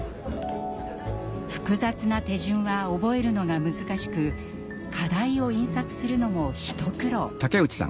複雑な手順は覚えるのが難しく課題を印刷するのも一苦労。